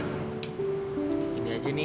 ini aja nih bajunya aja diganti